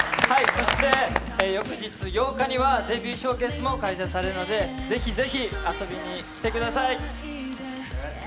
そして翌日８日にはデビューショーケースも開催するのでぜひ遊びに来てください。